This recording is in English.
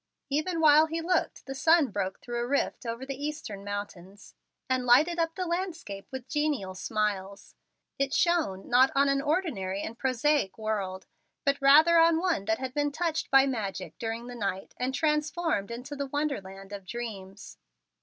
Even while he looked, the sun broke through a rift over the eastern mountains, and lighted up the landscape as with genial smiles. It shone, not on an ordinary and prosaic world, but rather on one that had been touched by magic during the night and transformed into the wonder land of dreams.